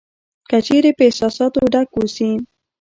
که چېرې په احساساتو ډک اوسې .